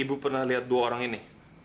ibu pernah lihat dua orang ini